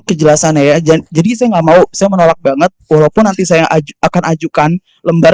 kejelasannya ya jadi saya nggak mau saya menolak banget walaupun nanti saya akan ajukan lembar